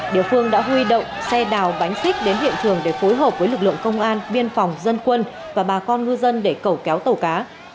địa phương đã huy động xe đào bánh xích đến hiện trường để phối hợp với lực lượng công an biên phòng dân quân và bà con ngư dân để cầu kéo tàu cá